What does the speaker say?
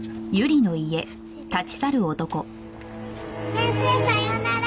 先生さようなら！